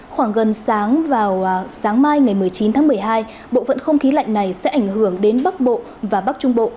khoảng gần sáng vào sáng mai ngày một mươi chín tháng một mươi hai bộ phận không khí lạnh này sẽ ảnh hưởng đến bắc bộ và bắc trung bộ